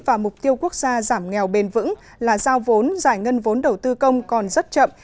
và mục tiêu quốc gia giảm nghèo bền vững là giao vốn giải ngân vốn đầu tư công còn rất chậm